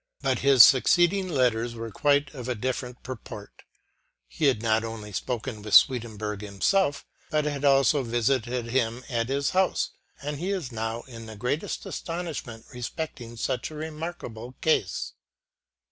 But his succeeding letters were quite of a different purport. He had not only spoken with Swedenborg himself, but had also visited him at his house ; and he is now in the greatest astonishment respecting such a remarkable case.